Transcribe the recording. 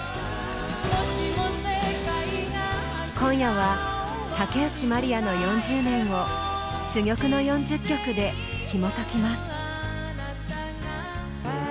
今夜は竹内まりやの４０年を珠玉の４０曲でひもときます。